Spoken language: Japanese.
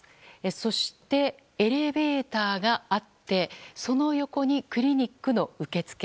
そして、エレベーターがあってその横にクリニックの受付。